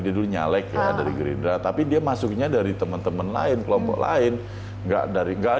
dulu nyalek dari gerindra tapi dia masuknya dari teman teman lain kelompok lain nggak